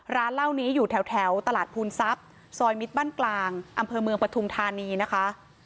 ร้านเหล้านี้อยู่แถวตลาดภูนทรัพย์ซอยมิตรบ้านกลางอำเภอเมืองปฐุมธานีนะคะ